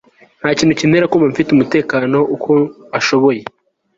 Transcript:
ntakintu kintera kumva mfite umutekano uko ashoboye